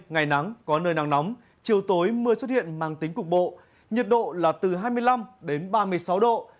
ngày nắng có nơi nắng nóng chiều tối mưa xuất hiện mang tính cục bộ nhiệt độ là từ hai mươi năm đến ba mươi sáu độ